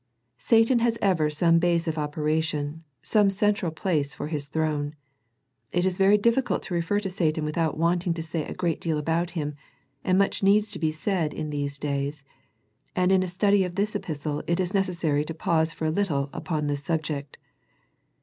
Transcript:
Satan has ever some base of operation, some central place for his throne. It is very diffi cult to refer to Satan without wanting to say a great deal about him, and much needs to be said in these days ; and in a study of this epistle it is necessary to pause for a little upon this subject.